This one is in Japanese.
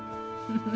フフフ。